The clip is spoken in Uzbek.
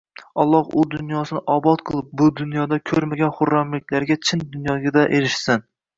Olloh u dunyosini obod qilib, bu hayotda ko`rmagan xurramliklariga chin dunyoda erishsin